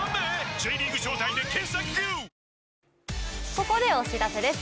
ここでお知らせです。